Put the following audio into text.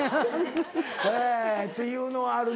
えっていうのはあるな。